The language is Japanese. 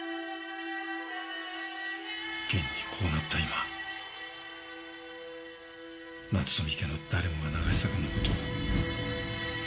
現にこうなった今夏富家の誰もが永久くんの事を。